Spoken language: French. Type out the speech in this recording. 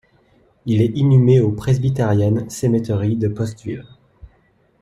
Il est inhumé au Presbyterian Cemetery de Pottsville.